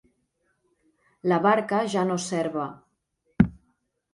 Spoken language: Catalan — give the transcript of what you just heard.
La barca ja no serva.